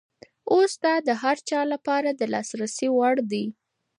اوس دا د هر چا لپاره د لاسرسي وړ دی.